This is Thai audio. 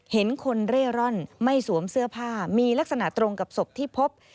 เห็นคนเร่ร่อนไม่สวมเสื้อผ้ามีลักษณะตรงกับศพที่พบ